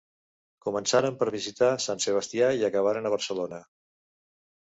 Començaren per visitar Sant Sebastià i acabaren a Barcelona.